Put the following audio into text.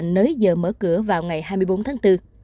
nới giờ mở cửa vào ngày hai mươi bốn tháng bốn